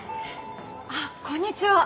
あこんにちは！